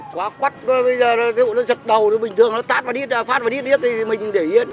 quá quắt bây giờ nó giật đầu bình thường nó tát và phát và điết điết thì mình để yên